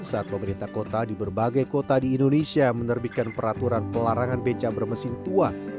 saat pemerintah kota di berbagai kota di indonesia menerbitkan peraturan pelarangan beca bermesin tua